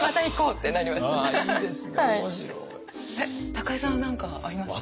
高井さんは何かありますか？